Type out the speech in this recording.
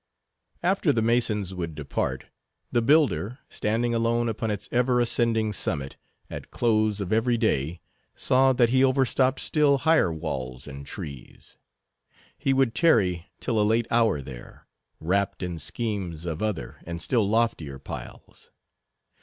After the masons would depart, the builder, standing alone upon its ever ascending summit, at close of every day, saw that he overtopped still higher walls and trees. He would tarry till a late hour there, wrapped in schemes of other and still loftier piles.